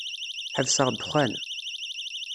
Ḥebseɣ dexxan.